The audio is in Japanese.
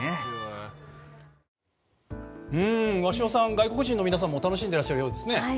外国人の皆さんも楽しんでらっしゃるようですね。